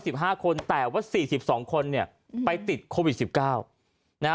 สิบห้าคนแต่ว่าสี่สิบสองคนเนี่ยไปติดโควิดสิบเก้านะฮะ